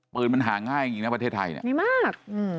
ปืนมันหาง่ายอย่างงี้นะประเทศไทยดีมาก